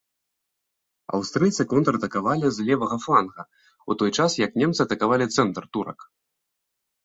Аўстрыйцы контратакавалі з левага фланга, у той час як немцы атакавалі цэнтр турак.